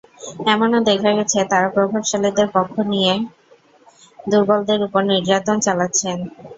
এমনও দেখা গেছে, তাঁরা প্রভাবশালীদের পক্ষ নিয়ে দুর্বলদের ওপর নির্যাতন চালাচ্ছেন।